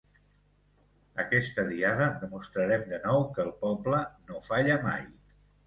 Aquesta Diada demostrarem de nou que el poble no falla mai.